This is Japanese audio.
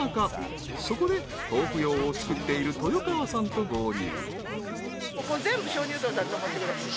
［そこで豆腐ようを作っている豊川さんと合流］